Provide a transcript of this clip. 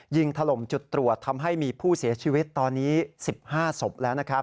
ถล่มจุดตรวจทำให้มีผู้เสียชีวิตตอนนี้๑๕ศพแล้วนะครับ